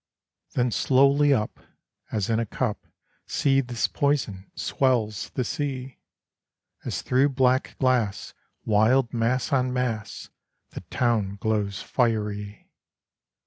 Then slowly up as in a cup Seethes poison swells the sea; As through black glass, wild mass on mass, The town glows fiery.